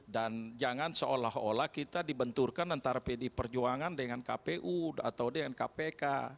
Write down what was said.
dan jangan seolah olah kita dibenturkan antara pd perjuangan dengan kpu atau dengan kpk